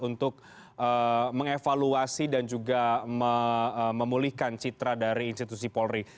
untuk mengevaluasi dan juga memulihkan citra dari institusi polri